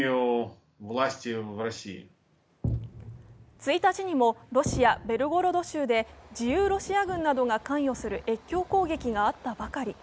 １日にもロシア・ベルゴロド州で自由ロシア軍などが関与する越境攻撃があったばかり。